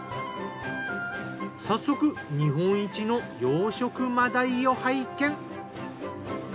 早速日本一の養殖真鯛を拝見。